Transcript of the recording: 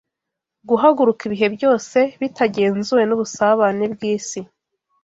Guhaguruka ibihe byose, bitagenzuwe nubusabane bwisi